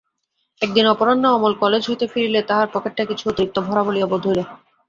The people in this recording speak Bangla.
একদিন অপরাহ্নে অমল কালেজ হইতে ফিরিলে তাহার পকেটটা কিছু অতিরিক্ত ভরা বলিয়া বোধ হইল।